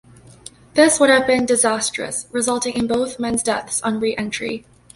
This would have been disastrous, resulting in both men's deaths on reentry.